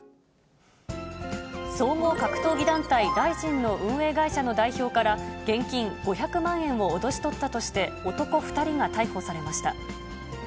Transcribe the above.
総合格闘技団体、ライジンの運営会社の代表から現金５００万円を脅し取ったとして、男２人が逮捕されました。